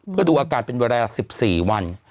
เพื่อดูอาการเป็นเวลา๑๔วัน